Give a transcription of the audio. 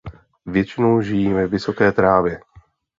Většinou žijí ve vysoké trávě.